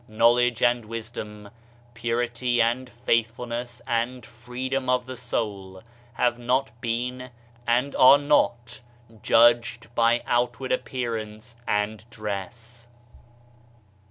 Knowledge and wisdom, purity and faithful ness and freedom of the soul, have not been and are not judged by outward appearance and dress.